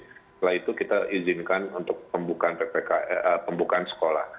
setelah itu kita izinkan untuk pembukaan ppkm pembukaan sekolah